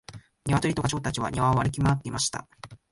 ニワトリとガチョウたちは庭を歩き回っていました。